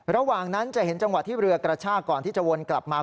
ระหว่างนั้นจะเห็นจังหวะที่เรือกระชากก่อนที่จะวนกลับมา